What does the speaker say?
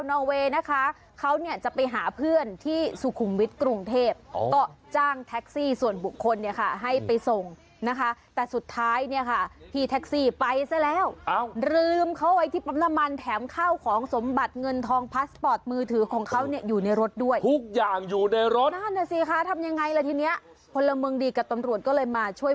เนี่ยมันจะรู้สึกนะเวลาเอานวดพวกนี้ออกแล้วเนี่ยเนี่ย